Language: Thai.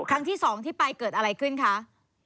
ครั้งที่๒ที่ไปเกิดอะไรขึ้นคะ